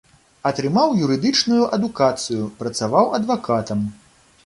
Атрымаў юрыдычную адукацыю, працаваў адвакатам.